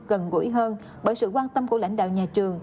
gần gũi hơn bởi sự quan tâm của lãnh đạo nhà trường